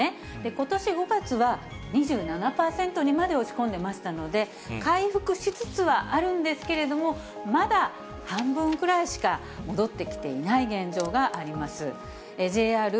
ことし５月は２７％にまで落ち込んでましたので、回復しつつはあるんですけれども、まだ半分くらいしか戻ってきていない現状があります。